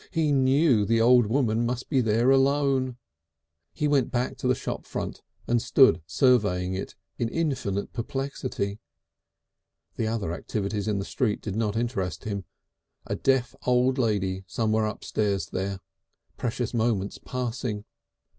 He knew the old woman must be there alone. He went back to the shop front and stood surveying it in infinite perplexity. The other activities in the street did not interest him. A deaf old lady somewhere upstairs there! Precious moments passing!